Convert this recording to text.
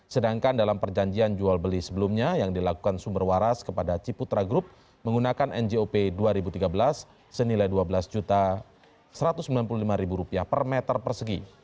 sedangkan dalam perjanjian jual beli sebelumnya yang dilakukan sumber waras kepada ciputra group menggunakan njop dua ribu tiga belas senilai rp dua belas satu ratus sembilan puluh lima per meter persegi